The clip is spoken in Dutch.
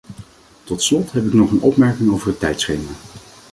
Tot slot heb ik nog een opmerking over het tijdschema.